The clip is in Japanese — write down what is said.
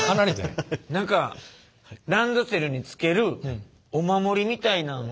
何かランドセルに付けるお守りみたいなんをこれで。